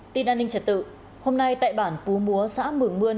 tin an ninh trẻ tự hôm nay tại bản pú múa xã mường mươn